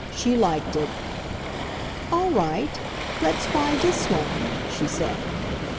She liked it. "All right, let's buy this one/' she said.